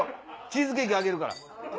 チーズケーキあげるから。